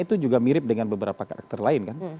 itu juga mirip dengan beberapa karakter lain kan